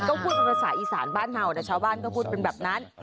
ก็พูดภรรษาอีสานบ้านเหมานะชาวบ้านก็พูดเป็นแบบนั้น